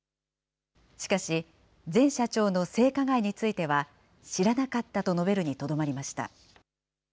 しかし、前社長の性加害については、知らなかったと述べるにとどまりました。